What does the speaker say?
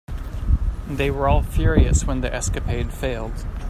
They were all furious when the escapade failed.